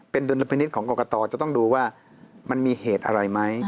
เป็นดุลพินิษฐ์ของกรกตจะต้องดูว่ามันมีเหตุอะไรไหม